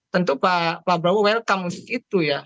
tentu pak prabowo welcome itu ya